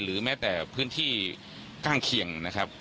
หรือแม้แต่พื้นที่กล้างเคียงนะครับ